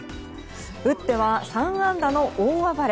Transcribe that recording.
打っては３安打の大暴れ。